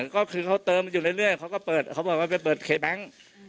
ก็คือเขาเติมอยู่เรื่อยเขาก็เปิดเขาบอกว่าไปเปิดเคแบงค์